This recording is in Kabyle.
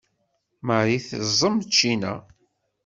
Marie teẓẓem ccina.